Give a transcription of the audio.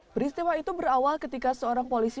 peristiwa itu berawal ketika seorang polisi